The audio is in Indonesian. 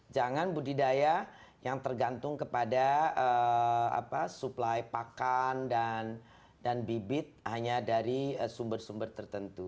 jangan budidaya yang tergantung kepada suplai pakan dan bibit hanya dari sumber sumber tertentu